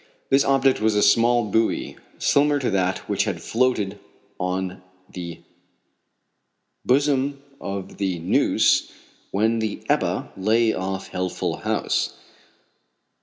This object was a small buoy, similar to that which had floated on the bosom of the Neuse when the Ebba lay off Healthful House.